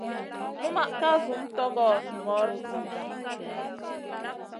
Unma ka zum tugora gnor zida.